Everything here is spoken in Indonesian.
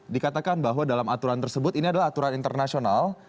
dikatakan bahwa dalam aturan tersebut ini adalah aturan internasional